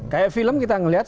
kayak film kita ngelihat